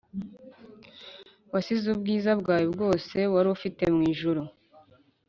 Wasize ubwiza bwawe bwose wari ufite mu ijuru